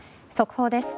速報です。